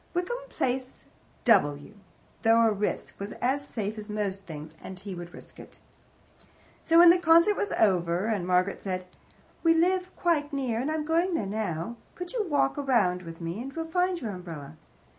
Wickham Place, W., though a risk, was as safe as most things, and he would risk it. So when the concert was over and Margaret said, "We live quite near; I am going there now. Could you walk around with me, and we'll find your umbrella?"